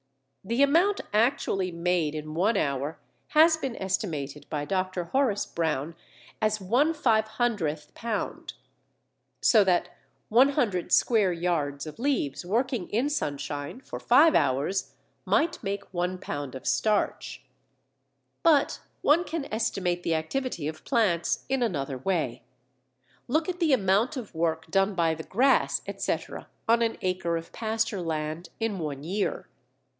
The amount actually made in one hour has been estimated by Dr. Horace Brown as 1/500 lb. So that 100 square yards of leaves working in sunshine for five hours might make one pound of starch. But one can estimate the activity of plants in another way. Look at the amount of work done by the Grass, etc., on an acre of pasture land in one year.